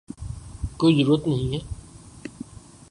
کوئی ضرورت نہیں ہے